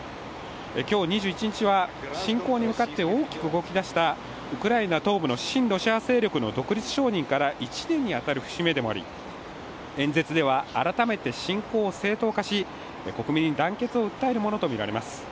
今日２１日は侵攻に向かって大きく動きだしたウクライナ東部の親ロシア勢力の独立承認から１年に当たる節目でもあり演説では改めて侵攻を正当化し、国民に団結を訴えるものとみられます。